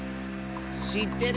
しってる！